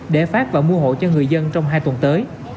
để phát và mua hộ cho người dân trong hai tuần tới